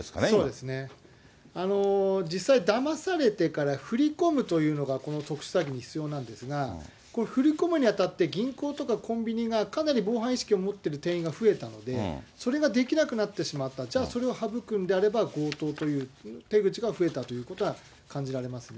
そうですね、実際、だまされてから振り込むというのが、この特殊詐欺に必要なんですが、これ、振り込むにあたって銀行とかコンビニが、かなり防犯意識を持ってる店員が増えたので、それができなくなってしまった、じゃあそれを省くんであれば強盗という手口が増えたということは、感じられますね。